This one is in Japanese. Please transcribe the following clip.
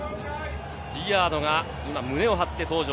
ビアードが胸を張って登場。